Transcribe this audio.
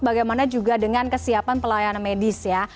bagaimana juga dengan kesiapan pelayanan medis ya